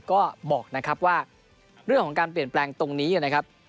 ก็บอกนะครับว่าเรื่องของการเปลี่ยนแปลงตรงนี้นะครับ